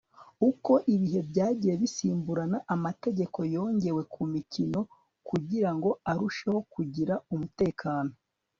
uko ibihe byagiye bisimburana, amategeko yongewe kumikino kugirango arusheho kugira umutekano